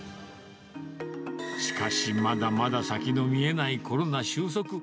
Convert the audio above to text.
しかし、まだまだ先の見えないコロナ収束。